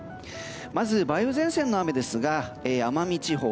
まず梅雨前線の雨ですが奄美地方